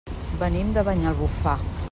Venim de Banyalbufar.